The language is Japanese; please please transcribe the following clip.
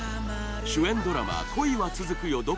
主演ドラマ「恋はつづくよ